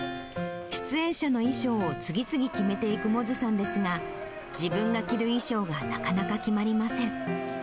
出演者の衣装を次々決めていく百舌さんですが、自分が着る衣装がなかなか決まりません。